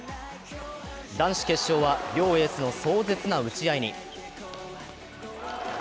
男子決勝は両エースの壮絶な打ち合いに。